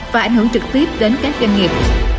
và ảnh hưởng trực tiếp đến các doanh nghiệp